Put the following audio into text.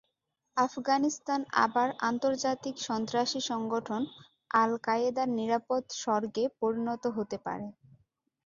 আফগানিস্তান আবার আন্তর্জাতিক সন্ত্রাসী সংগঠন আল-কায়েদার নিরাপদ স্বর্গে পরিণত হতে পারে।